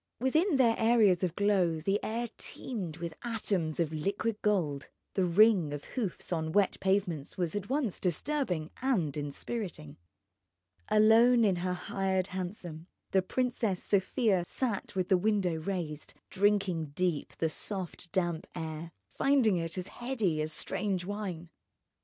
Within their areas of glow the air teemed with atoms of liquid gold. The ring of hoofs on wet pavements was at once disturbing and inspiriting. Alone in her hired hansom the Princess Sofia sat with the window raised, drinking deep of the soft damp air, finding it as heady as strange wine.